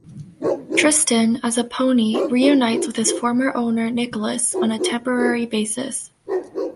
Tristan, as a pony, reunites with his former owner Nicholas on a temporary basis.